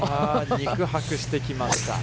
肉薄してきました。